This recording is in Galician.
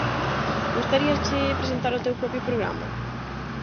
Gustaríache presentar o teu propio programa?